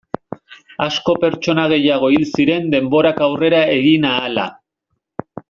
Asko pertsona gehiago hil ziren denborak aurrera egin ahala.